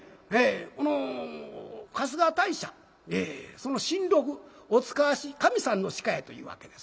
この春日大社その神鹿お遣わし神さんの鹿やというわけですな。